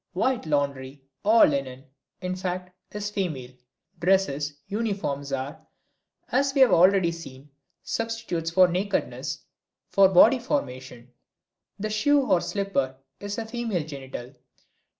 White laundry, all linen, in fact, is female. Dresses, uniforms are, as we have already seen, substitutes for nakedness, for body formation; the shoe or slipper is a female genital.